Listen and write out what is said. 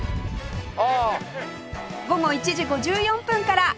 午後１時５４分から